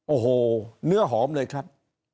โอ้โหเนื้อหอมเลยครับ